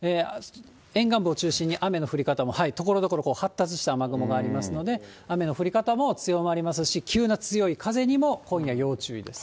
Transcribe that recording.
沿岸部を中心に雨の降り方もところどころ発達した雨雲がありますので、雨の降り方も強まりますし、急な強い風にも今夜要注意です。